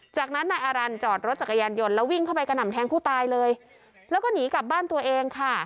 จากนั้นนายอารันต์จอดรถจักรยานยนต์แล้ววิ่งเข้าไปกระหน่ำแทงผู้ตายเลยแล้วก็หนีกลับบ้านตัวเองค่ะ